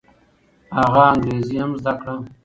هغه انګریزي هم زده کړه.